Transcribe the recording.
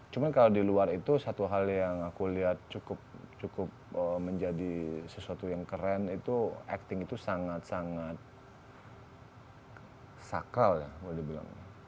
cuma kalau di luar itu satu hal yang aku lihat cukup menjadi sesuatu yang keren itu acting itu sangat sangat sakral ya boleh dibilang